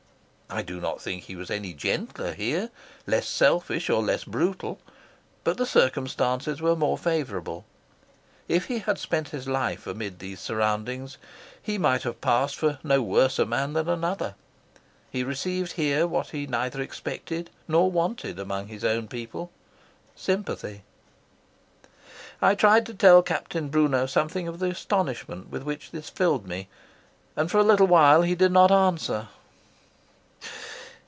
I do not think he was any gentler here, less selfish or less brutal, but the circumstances were more favourable. If he had spent his life amid these surroundings he might have passed for no worse a man than another. He received here what he neither expected nor wanted among his own people sympathy. I tried to tell Captain Brunot something of the astonishment with which this filled me, and for a little while he did not answer.